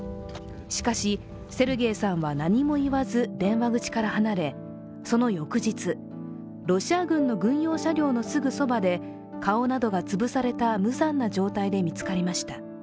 しかし、セルゲイさんは何も言わず電話口から離れその翌日、ロシア軍の軍用車両のすぐそばで顔などが潰された無残な状態で見つかりました。